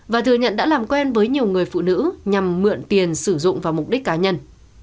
và thừa nhận đã làm quen với nhiều người phụ nữ nhằm mượn tiền sử dụng vào mục đích cá nhân